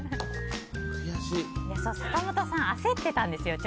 坂本さん、焦ってたんですよ。